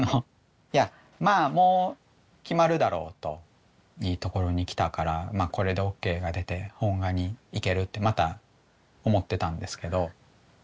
いやまあもう決まるだろうといいところにきたからこれでＯＫが出て本画にいけるってまた思ってたんですけど。